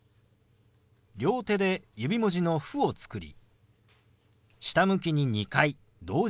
両手で指文字の「フ」を作り下向きに２回同時に動かします。